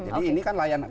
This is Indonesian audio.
jadi ini kan layanan